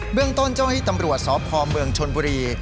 เบื้องต้นเจ้าให้ตำรวจสอบคอเมืองชนบุรี